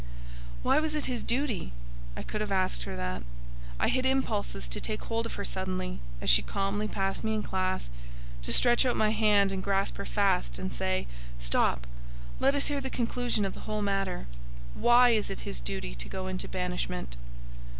"Why was it his duty?" I could have asked her that. I had impulses to take hold of her suddenly, as she calmly passed me in classe, to stretch out my hand and grasp her fast, and say, "Stop. Let us hear the conclusion of the whole matter. Why is it his duty to go into banishment?"